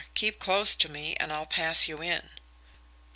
Keep close to me, and I'll pass you in."